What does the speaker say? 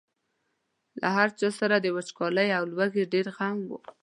له هر چا سره د وچکالۍ او لوږې ډېر غم و.